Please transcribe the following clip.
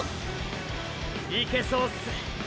いけそうす。